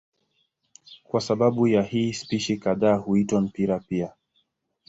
Kwa sababu ya hii spishi kadhaa huitwa mpira pia.